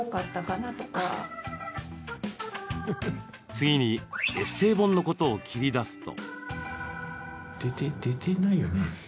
次に、エッセー本のことを切り出すと。